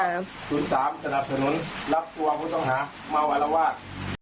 ๐๓๐๓สนับสนุนรับตัวพูดต้องหาเมาอลาวาด